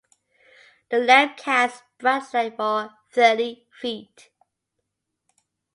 A lamp casts bright light for thirty feet.